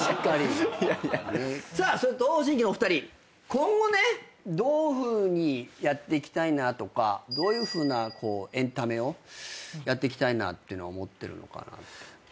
今後ねどういうふうにやっていきたいなとかどういうふうなエンタメをやっていきたいなっていうの思ってるのかなって。